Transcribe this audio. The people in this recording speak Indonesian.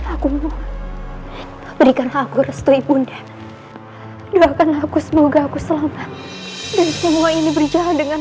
aku berikan aku harus tribunnya doakan aku semoga aku selamat dan semua ini berjalan dengan